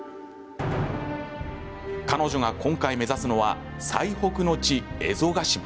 彼女が今回、目指すのは最北の地、蝦夷ヶ島。